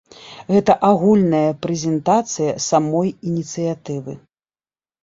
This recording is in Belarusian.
Гэта агульная прэзентацыя самой ініцыятывы.